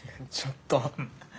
ちょっと。